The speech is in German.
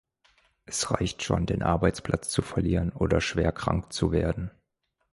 Es reicht schon, den Arbeitsplatz zu verlieren oder schwer krank zu werden.